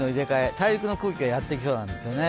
大陸の空気がやってきそうなんですよ。